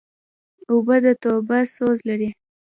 اوبه د توبه سوز لري.